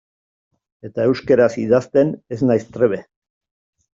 Eta euskaraz idazten ez naiz trebe.